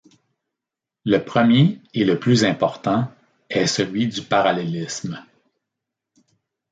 Le premier et le plus important est celui du parallélisme.